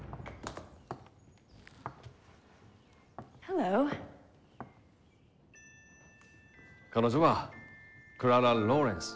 Ｈｅｌｌｏ．彼女はクララ・ローレンス。